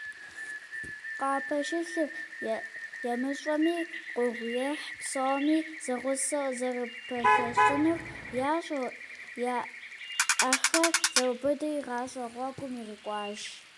Къапэщылъыр ямыщӏэми, гугъуехь псоми зэгъусэу зэрыпэлъэщынур ящӏэу, я ӏэхэр зэрыубыдри гъащӏэ гъуэгум ирикӏуащ.